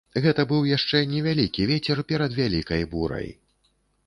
Гэта быў яшчэ невялікі вецер перад вялікай бурай.